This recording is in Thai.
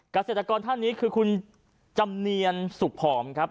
เกษตรกรท่านนี้คือคุณจำเนียนสุขผอมครับ